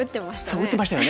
打ってましたよね。